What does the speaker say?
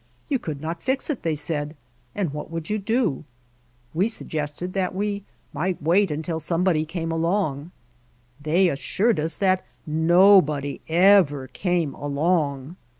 "You could not fix it," they said, "and what would you do?" We suggested that we might wait until some body came along. How We Found Mojave They assured us that nobody ever came along.